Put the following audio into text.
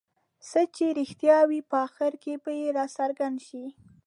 څه چې رښتیا وي په اخر کې به یې راڅرګند شي.